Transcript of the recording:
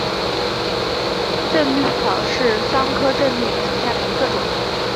滇葎草为桑科葎草属下的一个种。